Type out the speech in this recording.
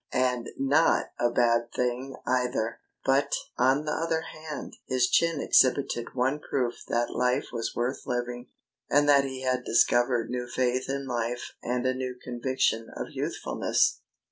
(And not a bad thing either!) But, on the other hand, his chin exhibited one proof that life was worth living, and that he had discovered new faith in life and a new conviction of youthfulness.